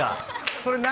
それ何？